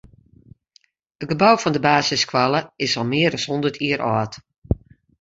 It gebou fan de basisskoalle is al mear as hûndert jier âld.